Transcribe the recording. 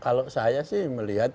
kalau saya sih melihat